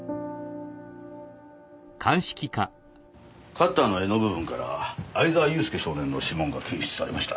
カッターの柄の部分から藍沢祐介少年の指紋が検出されました。